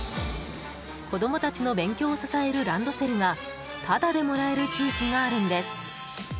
子供たちの勉強を支えるランドセルがタダでもらえる地域があるんです。